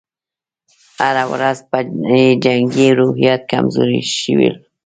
هره ورځ یې جنګي روحیات کمزوري شول.